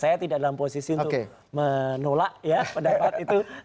saya tidak dalam posisi untuk menolak ya pendapat itu